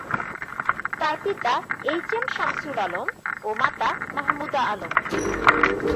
তার পিতা H M Shamsul Alam ও মাতা মাহমুদা আলম।